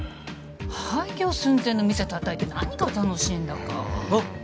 廃業寸前の店たたいて何が楽しいんだかあっ